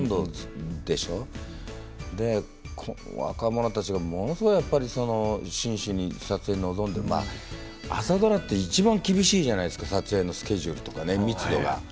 若者たち、ものすごく真摯に撮影に臨んでいて朝ドラって、いちばん厳しいじゃないですか、撮影のスケジュールと密度が。